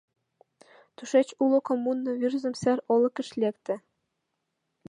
Тушеч уло коммуна Вӱрзым сер олыкыш лекте.